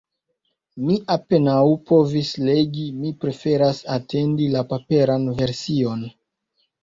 Mi apenaŭ povis legi, mi preferas atendi la paperan version.